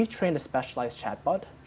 jadi kami telah melatih chatbot yang berkualitas